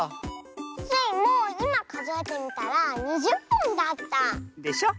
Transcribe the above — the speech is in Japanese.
スイもいまかぞえてみたら２０ぽんだった。でしょ。